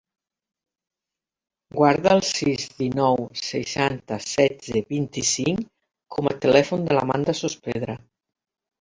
Guarda el sis, dinou, seixanta, setze, vint-i-cinc com a telèfon de l'Amanda Sospedra.